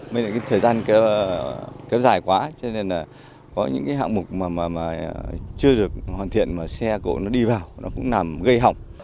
bây giờ cái thời gian kéo dài quá cho nên là có những cái hạng mục mà chưa được hoàn thiện mà xe cộ nó đi vào nó cũng làm gây hỏng